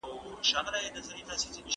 هر وخت چې خبرې وشي، شخړې به ژورې نه شي.